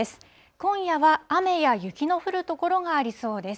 今夜は雨や雪の降る所がありそうです。